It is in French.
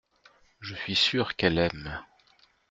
Je suis sûr qu’elle aime.